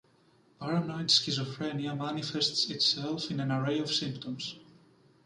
Paranoid schizophrenia manifests itself in an array of symptoms.